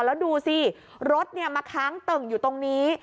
แล้วดูสิรถมาค้างตึ่งอยู่ตรงนี้